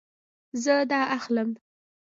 زه دا اخلم